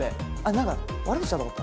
何か悪口だと思った？